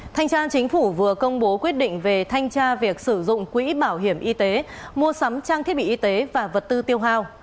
thanh tra chính phủ vừa công bố quyết định về thanh tra việc sử dụng quỹ bảo hiểm y tế mua sắm trang thiết bị y tế và vật tư tiêu hào